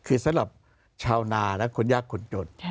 คือสำหรับชาวนาและคนยากคนจน